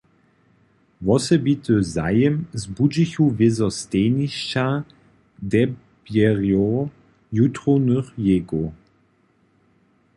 Wosebity zajim zbudźichu wězo stejnišća debjerjow jutrownych jejkow.